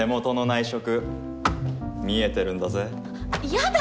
やだ。